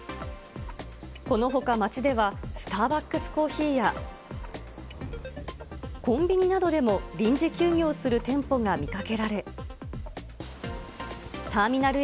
このほか、街ではスターバックスコーヒーや、コンビニなどでも臨時休業する店舗が見かけられ。